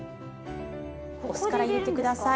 お酢から入れて下さい。